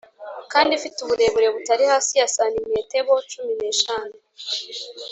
kandi ifite uburebure butari hasi ya santimetebo cumi neshanu